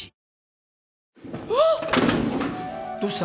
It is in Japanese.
どうした？